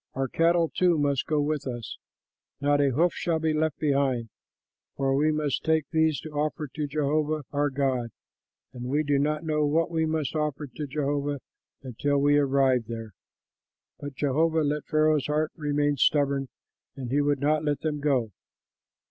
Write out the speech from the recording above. Our cattle too must go with us; not a hoof shall be left behind, for we must take these to offer to Jehovah our God, and we do not know what we must offer to Jehovah until we arrive there." But Jehovah let Pharaoh's heart remain stubborn, and he would not let them go.